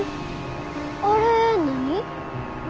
あれ何？